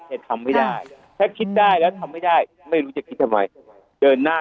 จะทำไม่ได้ถ้าคิดได้แล้วทำไม่ได้ไม่รู้จะคิดทำไมเดินหน้า